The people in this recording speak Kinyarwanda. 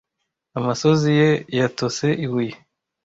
amosozi ye yatose ibuye